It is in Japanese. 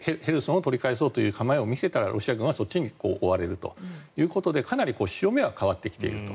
ヘルソンを取り返そうという構えを見せたらロシア軍はそっちに追われるということでかなり潮目が変わってきていると。